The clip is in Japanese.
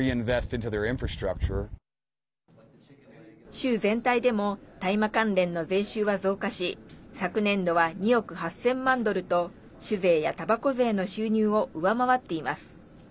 州全体でも大麻関連の税収は増加し昨年度は２億８０００万ドルと酒税や、たばこ税の収入を上回っています。